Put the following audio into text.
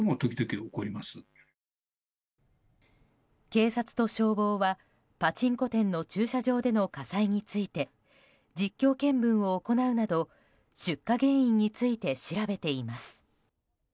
警察と消防は、パチンコ店の駐車場での火災について実況見分を行うなど出火原因について調べています。